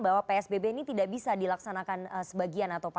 bahwa psbb ini tidak bisa dilaksanakan sebagian atau